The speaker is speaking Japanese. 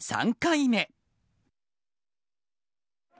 ３回目。